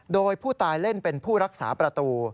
โดยผู้ตายเล่นเป็นผู้รักษาประตู